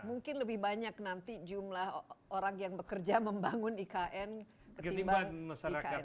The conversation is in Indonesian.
mungkin lebih banyak nanti jumlah orang yang bekerja membangun ikn ketimbang ikn